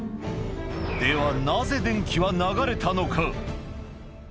では、なぜ電気は流れたのか。